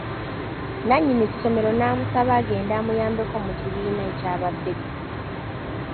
Nannyini ssomero n’amusaba agende amuyambeko mu kibiina ekya 'baby'.